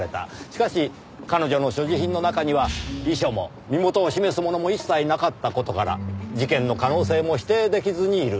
しかし彼女の所持品の中には遺書も身元を示すものも一切なかった事から事件の可能性も否定出来ずにいる。